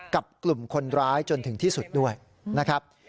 กลุ่มคนร้ายจนถึงที่สุดด้วยนะครับ